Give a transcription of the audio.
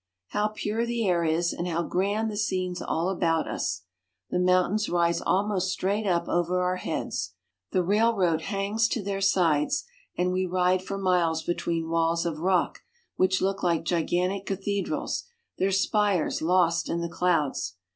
How pure the air is, and how grand the scenes all about us! The mountains rise almost straight up over our heads. The railroad hangs to their sides, and we ride for miles between walls of rock which look like gigantic cathedrals, their spires lost irt the clouds.